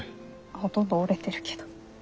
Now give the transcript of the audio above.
ほとんど折れてるけど。